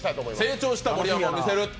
成長した盛山を見せる。